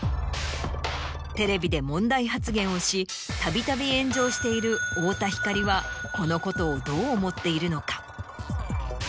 テレビで問題発言をしたびたび炎上している太田光はこのことをどう思っているのか？